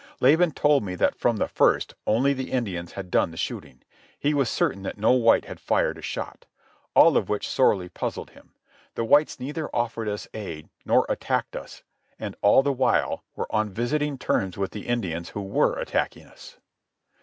Laban told me that from the first only the Indians had done the shooting. He was certain that no white had fired a shot. All of which sorely puzzled him. The whites neither offered us aid nor attacked us, and all the while were on visiting terms with the Indians who were attacking us.